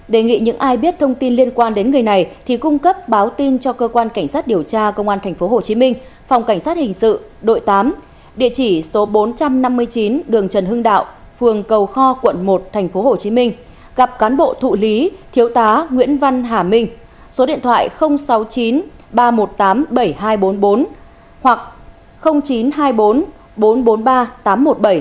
đề nghị những ai biết thông tin liên quan đến người này thì cung cấp báo tin cho cơ quan cảnh sát điều tra công an tp hcm phòng cảnh sát hình sự đội tám địa chỉ số bốn trăm năm mươi chín đường trần hưng đạo phường cầu kho quận một tp hcm gặp cán bộ thụ lý thiếu tá nguyễn văn hà minh số điện thoại sáu mươi chín ba trăm một mươi tám bảy nghìn hai trăm bốn mươi bốn hoặc chín trăm hai mươi bốn bốn trăm bốn mươi ba tám trăm một mươi bảy để tiếp tục